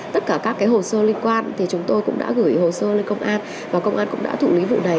tất cả các hồ sơ liên quan thì chúng tôi cũng đã gửi hồ sơ lên công an và công an cũng đã thụ lý vụ đấy